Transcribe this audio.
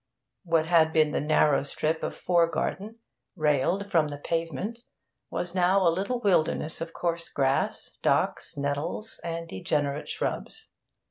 What had been the narrow strip of fore garden, railed from the pavement, was now a little wilderness of coarse grass, docks, nettles, and degenerate shrubs.